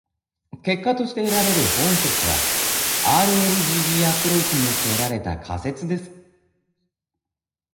結果として得られるホーン節は、rlgg アプローチによって得られた仮説です。